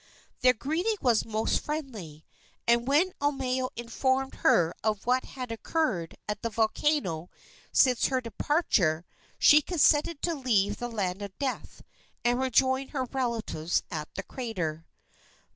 Their greeting was most friendly, and when Omeo informed her of what had occurred at the volcano since her departure, she consented to leave the land of death and rejoin her relatives at the crater.